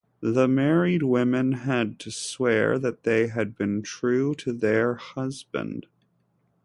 The married women had to swear that they had been true to their husband.